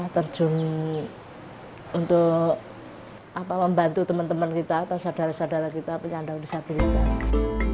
terjun untuk membantu teman teman kita atau saudara saudara kita penyandang disabilitas